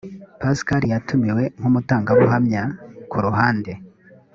pascal yatumiwe nk umutangabuhamya ku ruhande